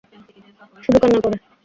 শুধু কান্না করে।